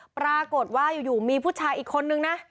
ปรากฏว่าอยู่มีผู้ชายอีกคนนึงนะ